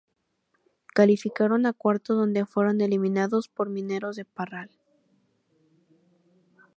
Calificaron a cuartos donde fueron eliminados por Mineros de Parral.